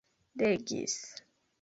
legis